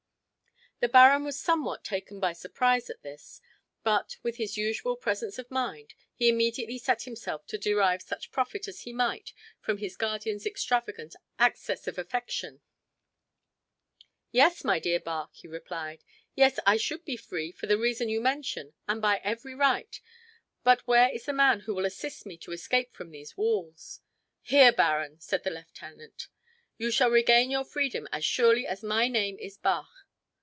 The baron was somewhat taken by surprise at this, but, with his usual presence of mind, he immediately set himself to derive such profit as he might from his guardian's extravagant access of affection. "Yes, my dear Bach," he replied, "yes, I should be free for the reason you mention, and by every right, but where is the man who will assist me to escape from these walls?" "Here, baron!" said the lieutenant. "You shall regain your freedom as surely as my name is Bach."